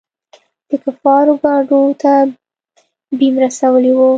د کفارو ګاډو ته يېم رسولي وو.